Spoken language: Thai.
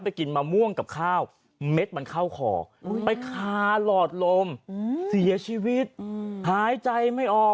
กินมะม่วงกับข้าวเม็ดมันเข้าคอไปคาหลอดลมเสียชีวิตหายใจไม่ออก